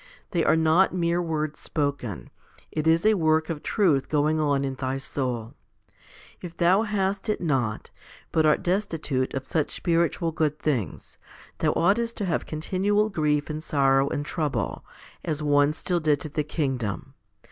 They are not mere words spoken ; it is a work of truth going on in thy soul. If thou hast it not, but art destitute of such spiritual good things, thou oughtest to have continual grief and sorrow and trouble, as one still dead to the kingdom.